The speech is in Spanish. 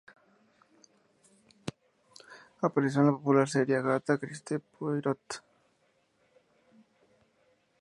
Apareció en la popular serie "Agatha Christie's Poirot".